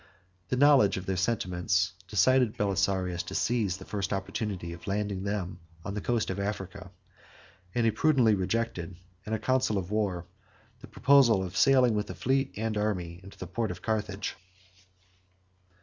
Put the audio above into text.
16 The knowledge of their sentiments decided Belisarius to seize the first opportunity of landing them on the coast of Africa; and he prudently rejected, in a council of war, the proposal of sailing with the fleet and army into the port of Carthage.